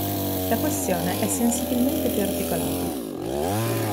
La questione è sensibilmente più articolata.